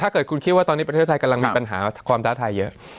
เกิดคุณคิดว่าตอนนี้ประเทศไทยกำลังมีปัญหาความท้าทายเยอะ